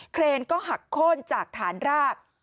เครนก็หักโค้นจากฐานราก